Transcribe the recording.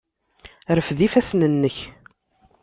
Rfed ifassen-nnek!